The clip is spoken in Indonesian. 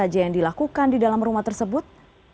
apa yang dilakukan di dalam rumah tersebut